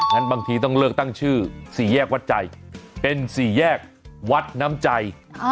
บางทีต้องเลือกตั้งชื่อสี่แยกวัดใจเป็นสี่แยกวัดน้ำใจ